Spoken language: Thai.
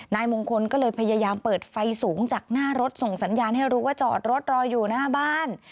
นายมงคลก็เลยพยายามเปิดไฟสูงจากหน้ารถส่งสัญญาณให้รู้ว่าจอดรถรออยู่หน้าบ้าน